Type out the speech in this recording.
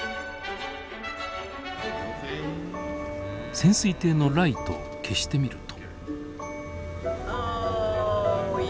潜水艇のライトを消してみると。